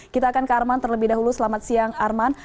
kita akan ke arman terlebih dahulu selamat siang arman